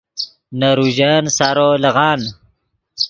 نے روژن سارو لیغان